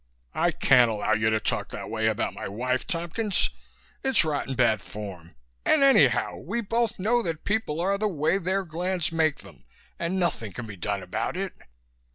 "I can't allow you to talk that way about my wife, Tompkins. It's rotten bad form and anyhow we both know that people are the way their glands make them and nothing can be done about it."